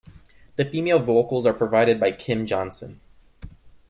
The female vocals are provided by Kim Johnson.